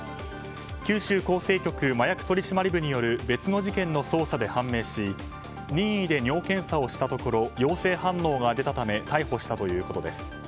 九州厚生局麻薬取締部による別の事件の捜査で判明し任意で尿検査をしたところ陽性反応が出たため逮捕したということです。